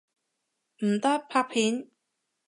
唔得，拍片！